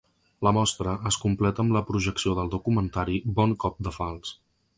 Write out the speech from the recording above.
La mostra es completa amb la projecció del documentari Bon cop de falç.